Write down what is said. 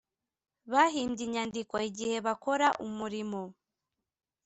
Bahimbye inyandiko igihe bakora umurimo